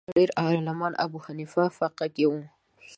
حال دا چې معتزله ډېر عالمان ابو حنیفه فقه کې وو